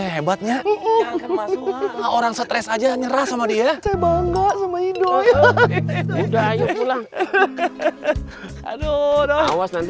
hebatnya orang stres aja nyerah sama dia bangga sama hidup udah pulang